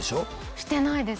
してないです